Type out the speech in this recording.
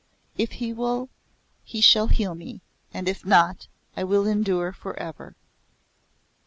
If he will he shall heal me, and if not I will endure for ever."